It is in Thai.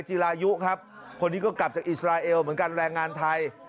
จีรายุครับคนนี้ก็กลับจากอิสราเอลเหมือนกันแรงงานไทย